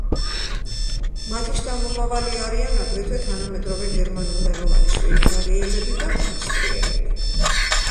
მათი შთამომავალი არიან აგრეთვე თანამედროვე გერმანულენოვანი შვეიცარიელები და ავსტრიელები.